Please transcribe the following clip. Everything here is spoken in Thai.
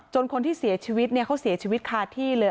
คนที่เสียชีวิตเขาเสียชีวิตคาที่เลย